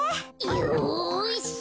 よし！